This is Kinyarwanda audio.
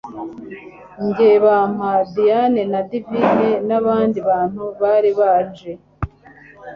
njye papa diane na divine nabandi bantu bari baje